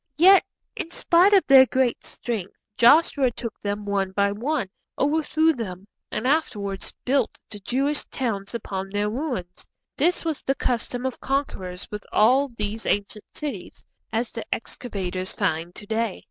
Yet, in spite of their great strength, Joshua took them one by one, overthrew them, and afterwards built the Jewish towns upon their ruins. This was the custom of conquerors with all these ancient cities, as the excavators find to day.